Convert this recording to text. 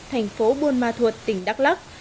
thành phố buôn ma thuột tỉnh đắk lắc